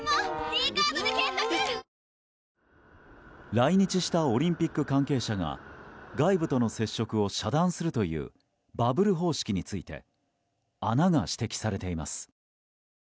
来日したオリンピック関係者が外部との接触を遮断するというバブル方式について穴が指摘されています。